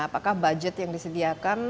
apakah budget yang disediakan